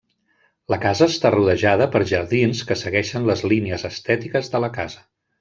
La casa està rodejada per jardins que segueixen les línies estètiques de la casa.